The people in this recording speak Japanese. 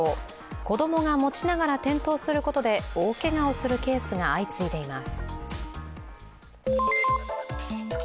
子供が持ちながら転倒することで大けがをするケースが相次いでいます。